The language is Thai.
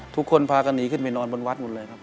ทุกคนพากันหนีขึ้นไปนอนบนวัดหมดเลยครับ